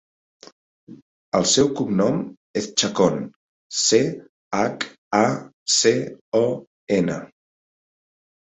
El seu cognom és Chacon: ce, hac, a, ce, o, ena.